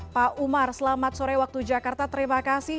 pak umar selamat sore waktu jakarta terima kasih